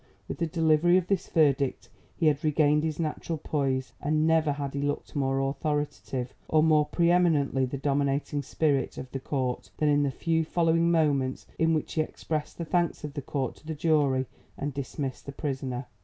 With the delivery of this verdict he had regained his natural poise, and never had he looked more authoritative or more pre eminently the dominating spirit of the court than in the few following moments in which he expressed the thanks of the court to the jury and dismissed the prisoner.